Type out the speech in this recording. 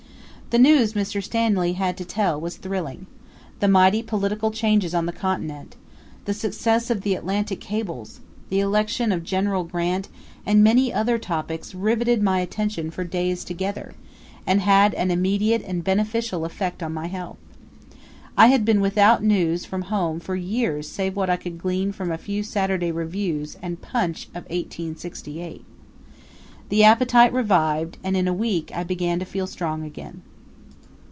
The news Mr. Stanley had to tell was thrilling. The mighty political changes on the Continent; the success of the Atlantic cables; the election of General Grant, and many other topics' riveted my attention for days together, and had an immediate and beneficial effect on my health. I had been without news from home for years save what I could glean from a few 'Saturday Reviews' and 'Punch' of 1868. The appetite revived, and in a week I began to feel strong again.